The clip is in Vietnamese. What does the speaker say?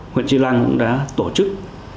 huyện trí lăng đã tổ chức